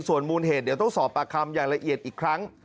ส่วนมูลเหตุเดี๋ยวต้องสอบปากคำอย่างละเอียดอีกครั้ง